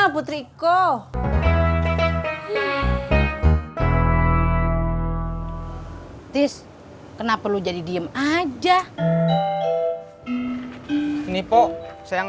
kayak beton aja masarthenya